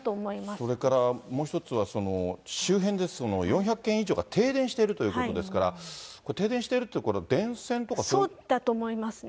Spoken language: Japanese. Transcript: それからもう一つは、周辺で４００軒以上が停電しているということですから、これ、停そうだと思いますね。